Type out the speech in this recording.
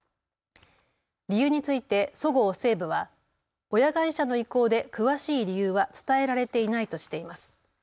理由について、そごう・西武は親会社の意向で詳しい理由は伝えられていないとしています。